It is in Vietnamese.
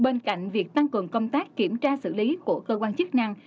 bên cạnh việc tăng cường công tác kiểm tra xử lý của cơ quan chức năng